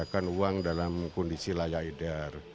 menyediakan uang dalam kondisi layak edar